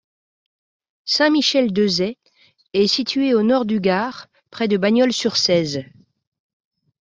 Saint-Michel-d'Euzet est situé au nord du Gard près de Bagnols-sur-Cèze.